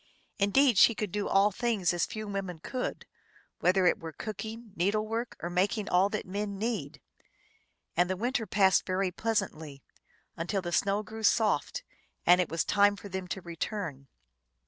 Indeed, she could do all things as few women could, whether it were cooking, needle work, or making all that men need. And the winter passed very pleas antly, until the snow grew soft, and it was time for them to return.